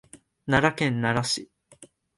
奈良県奈良市